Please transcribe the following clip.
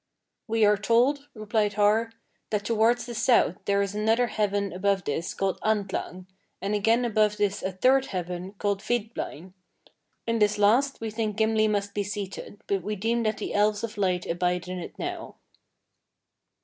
"We are told," replied Har, "that towards the south there is another heaven above this called Andlang, and again above this a third heaven called Vidblain. In this last, we think Gimli must be seated, but we deem that the Elves of Light abide in it now."